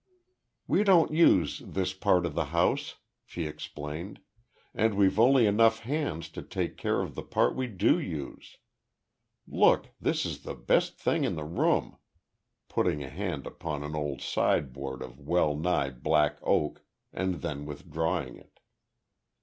"We don't use this part of the house," she explained, "and we've only enough hands to take care of the part we do use. Look, this is the best thing in the room," putting a hand upon an old sideboard of well nigh black oak, and then withdrawing it.